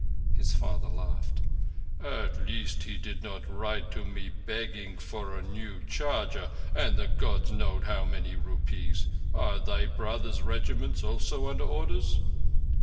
His father laughed. "At least he did not ride to me begging for a new charger, and the Gods know how many rupees. Are thy brothers' regiments also under orders?"